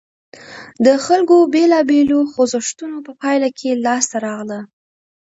د خلکو بېلابېلو خوځښتونو په پایله کې لاسته راغله.